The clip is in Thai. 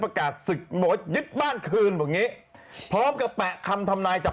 ประกาศสึกโหมดยึดบ้านคืนแบบงี้พร้อมกับแปะคำธำนายจาก